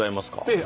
ええ。